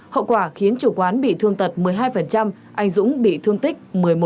hậu quả khiến chủ quán bị thương tật một mươi hai anh dũng bị thương tích một mươi một